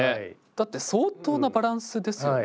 だって相当なバランスですよね。